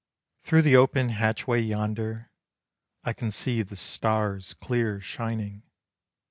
Through the open hatchway yonder, I can see the stars clear shining.